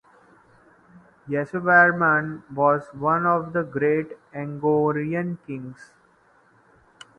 Yasovarman was one of the great Angkorian kings.